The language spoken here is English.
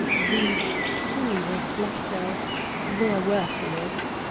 These silly reflectors they are worthless.